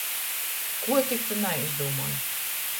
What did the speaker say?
Kuo tik tu naizdūmoj!